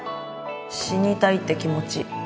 死にたいって気持ち